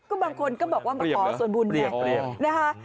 ก็บอกว่าอ๋อส่วนบุญแม่งนะคะส่วนบุญแม่งค่ะส่วนบุญแม่งค่ะ